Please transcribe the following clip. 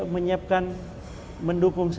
menyiapkan mendukung saya